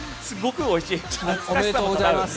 おめでとうございます。